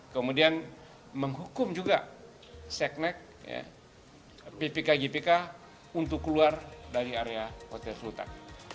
kemudian menghukum juga seknek ppkjpk untuk keluar dari area hotel sultan